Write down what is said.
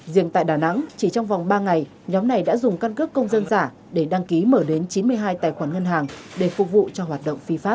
riêng tại đà nẵng chỉ trong vòng ba ngày nhóm này đã dùng căn cước công dân giả để đăng ký mở đến chín mươi hai tài khoản ngân hàng để phục vụ cho hoạt động phi pháp